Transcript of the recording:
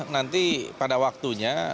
nanti pada waktunya